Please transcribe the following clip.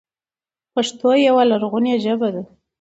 پښتو يوه لرغونې ژبه ده،